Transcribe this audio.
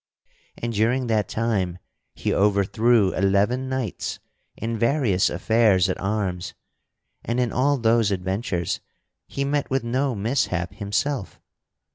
And during that time, he overthrew eleven knights in various affairs at arms and in all those adventures he met with no mishap himself.